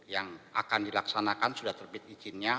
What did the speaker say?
yang akan dilaksanakan sudah terbit izinnya